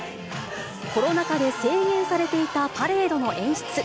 コロナ禍で制限されていたパレードの演出。